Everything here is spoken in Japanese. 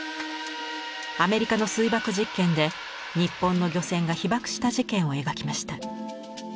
アメリカの水爆実験で日本の漁船が被ばくした事件を描きました。